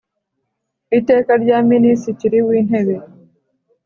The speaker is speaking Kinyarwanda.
Iteka rya Minisitiri w Intebe